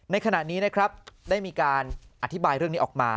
ในขณะนี้นะครับได้มีการอธิบายเรื่องนี้ออกมา